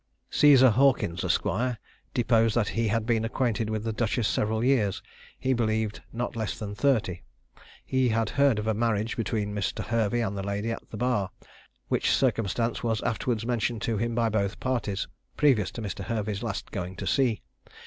Cæsar Hawkins, Esq. deposed that he had been acquainted with the duchess several years, he believed not less than thirty. He had heard of a marriage between Mr. Hervey and the lady at the bar, which circumstance was afterwards mentioned to him by both parties, previous to Mr. Hervey's last going to sea.